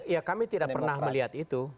ya kami tidak pernah melihat itu